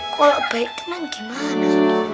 kalau baik gimana